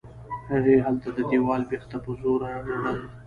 هغې هلته د دېوال بېخ ته په زوره ژړل.